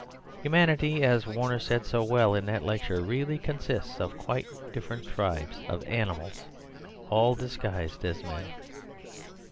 Humanity, as Warner said so well in that lecture, really consists of quite different tribes of animals all disguised as men."